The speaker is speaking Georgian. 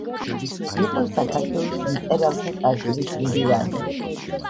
იყო საქართველოს მწერალთა კავშირის მდივანი.